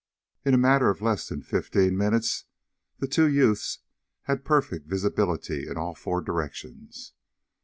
In a matter of less than fifteen minutes the two youths had perfect visibility in all four directions.